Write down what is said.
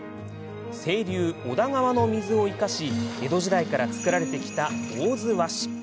清流・小田川の水を生かし江戸時代から作られてきた大洲和紙。